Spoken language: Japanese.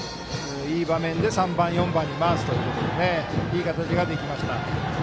いい場面で３番、４番に回すということでいい形ができました。